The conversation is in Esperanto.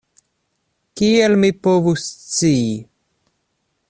Kiel mi povus scii?